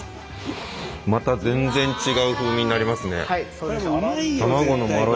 また全然違う風味になりますね。